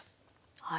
はい。